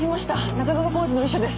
中園宏司の遺書です。